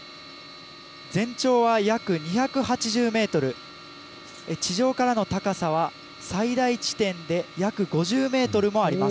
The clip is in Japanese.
全長は約２８０メートル地上からの高さは最大地点で約５０メートルもあります。